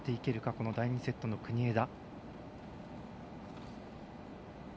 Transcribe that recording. この第２セットの国枝。